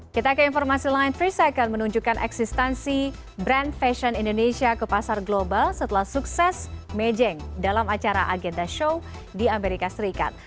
kita ke informasi lain tiga second menunjukkan eksistensi brand fashion indonesia ke pasar global setelah sukses mejeng dalam acara agenda show di amerika serikat